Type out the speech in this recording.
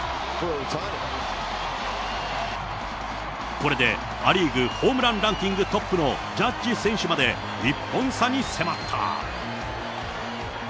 これでア・リーグホームランランキングトップのジャッジ選手まで１本差に迫った。